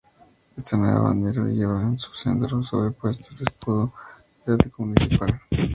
Esta nueva bandera lleva en su centro sobrepuesto el escudo heráldico municipal.